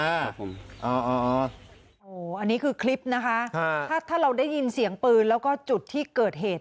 อันนี้คือคลิปนะคะถ้าถ้าเราได้ยินเสียงปืนแล้วก็จุดที่เกิดเหตุ